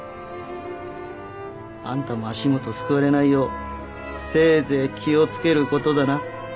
あんたも足元をすくわれないようせいぜい気を付ける事だな